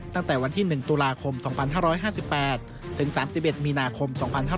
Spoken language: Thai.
ตั้งแต่วันที่๑ตุลาคม๒๕๕๘ถึง๓๑มีนาคม๒๕๕๙